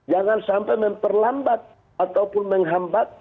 jangan sampai memperlambat ataupun menghambat